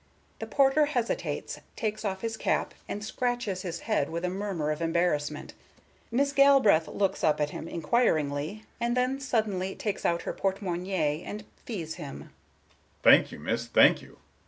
The Porter hesitates, takes off his cap, and scratches his head with a murmur of embarrassment. Miss Galbraith looks up at him inquiringly and then suddenly takes out her porte monnaie, and fees him. Porter: "Thank you, miss, thank you.